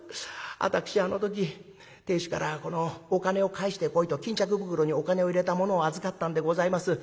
私あの時亭主からこのお金を返してこいと巾着袋にお金を入れたものを預かったんでございます。